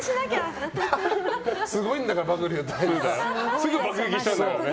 すぐ爆撃しちゃうからね。